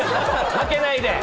負けないで！